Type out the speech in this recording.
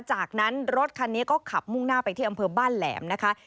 จากนั้นรถคันนี้ก็ขับมุ่งหน้าไปที่อำเภอบ้านแหลมนะคะ